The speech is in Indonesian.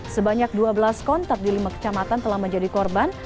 sebanyak dua belas kontak di lima kecamatan telah menjadi korban